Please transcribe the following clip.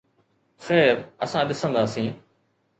خير، اسان ڏسنداسين